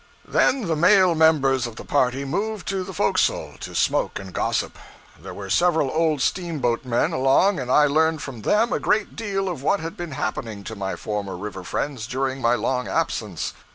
Then the male members of the party moved to the forecastle, to smoke and gossip. There were several old steamboatmen along, and I learned from them a great deal of what had been happening to my former river friends during my long absence.